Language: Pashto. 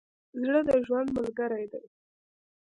زړه د ژوند ملګری دی.